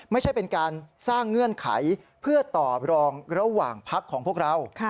ไม่ใช่เป็นการสร้างเงื่อนไขเพื่อตอบรองระหว่างพักของพวกเรา